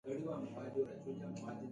هغه له غلام محمدخان سره کابل ته واستاوه.